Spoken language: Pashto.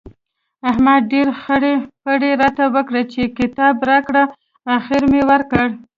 احمد ډېرې خړۍ پړۍ راته وکړې چې کتاب راکړه؛ اخېر مې ورکړ.